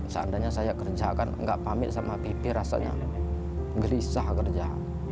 seandainya saya kerja kan nggak pamit sama ivi rasanya gelisah kerja